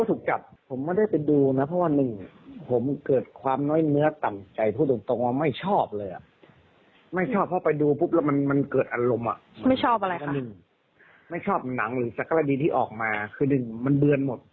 อือ